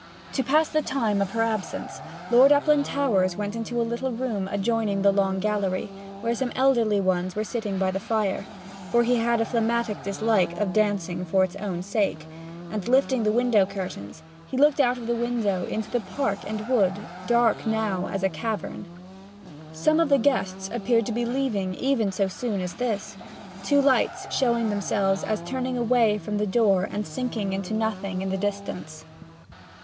To pass the time of her absence, Lord Uplandtowers went into a little room adjoining the long gallery, where some elderly ones were sitting by the fire for he had a phlegmatic dislike of dancing for its own sake, and, lifting the window curtains, he looked out of the window into the park and wood, dark now as a cavern. Some of the guests appeared to be leaving even so soon as this, two lights showing themselves as turning away from the door and sinking to nothing in the distance.